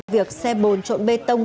việc xe bồn trộn bê tông